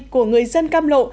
của người dân cam lộ